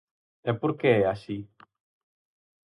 ¿E por que é así?